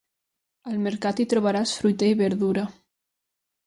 Al Mercat hi trobaràs fruita i verdura.